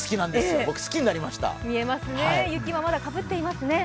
雪がまだかぶっていますね。